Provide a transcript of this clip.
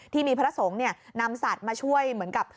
ที่มีพระสงฆ์นำสัตว์มาช่วยเหมือนกับ